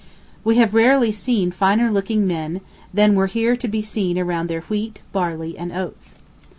We have rarely seen finer looking men than were here to be seen around their wheat, barley, and oats.